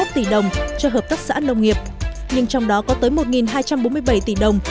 một năm trăm bốn mươi một tỷ đồng cho hợp tác xã nông nghiệp nhưng trong đó có tới một hai trăm bốn mươi bảy tỷ đồng